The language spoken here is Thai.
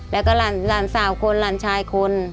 แล้วก็หลานสาวคนหลานชายคน